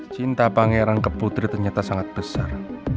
cinta pangeran ke putri ternyata sangat besar